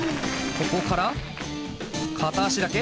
ここから片足だけ？